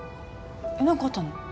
なんかあったの？